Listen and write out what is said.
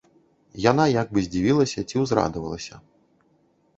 Яна як бы здзівілася ці ўзрадавалася.